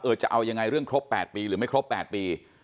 จะเอายังไงเรื่องครบ๘ปีหรือไม่ครบ๘ปี